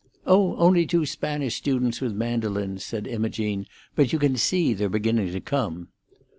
"Oh, only two Spanish students with mandolins," said Imogene; "but you can see they're beginning to come."